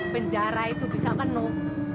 penjara itu bisa penuh